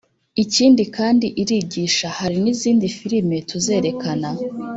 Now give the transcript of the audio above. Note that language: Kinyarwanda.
ikindi kandi irigisha […] hari n’izindi filime tuzerekana